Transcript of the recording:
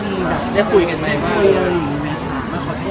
ดราราหอยก็ไม่ชินกับการที่อยู่ดีมีคนมาว่า